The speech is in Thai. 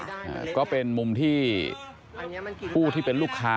ดูคลิปกันก่อนนะครับแล้วเดี๋ยวมาเล่าให้ฟังนะครับ